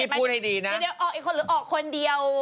หรือออกคนเดียว